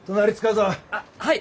あっはい。